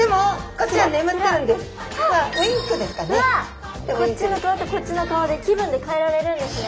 こっちの顔とこっちの顔で気分で変えられるんですね。